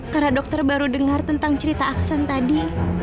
karena dokter baru dengar tentang cerita aksan tadi